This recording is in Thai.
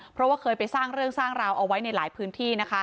เพราะว่าเคยไปสร้างเรื่องสร้างราวเอาไว้ในหลายพื้นที่นะคะ